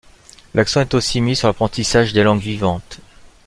L'accent est aussi mis sur l'apprentissage des langues vivantes.